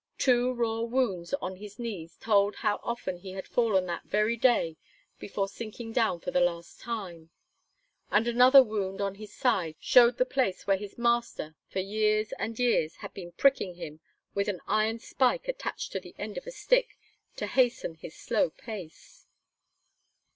Two raw wounds on his knees told how often he had fallen that very day before sinking down for the last time; and another wound on the side showed the place where his master, for years and years, had been pricking him with an iron spike attached to the end of a stick, to hasten his slow pace.